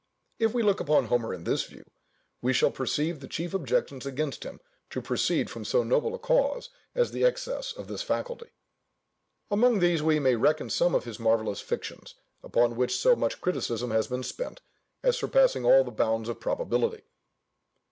If we look upon Homer in this view, we shall perceive the chief objections against him to proceed from so noble a cause as the excess of this faculty. Among these we may reckon some of his marvellous fictions, upon which so much criticism has been spent, as surpassing all the bounds of probability.